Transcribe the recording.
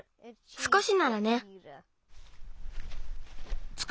すこしならね。